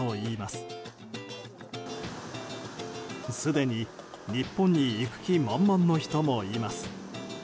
すでに、日本に行く気満々の人もいます。